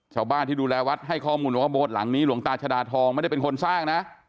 ชาวบ้านที่ดูแลวัดให้ข้อมูลว่าโบ๊ทหลังนี้หลวงตาชดาทองไม่ได้เป็นคนสร้างนะ